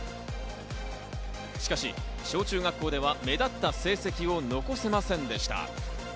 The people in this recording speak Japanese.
しかし小・中学校では目立った成績を残せませんでした。